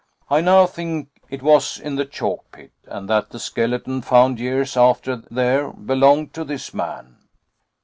I now think it was in the chalk pit, and that the skeleton found years after there belonged to this man."